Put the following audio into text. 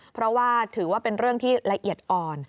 เพราะว่าถือว่าเป็นเรื่องที่ละเอียดอ่อน